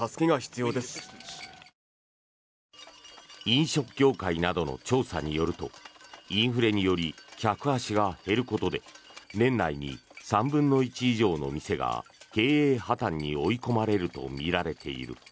飲食業界などの調査によるとインフレにより客足が減ることで年内に３分の１以上の店が経営破たんに追い込まれるとみられている。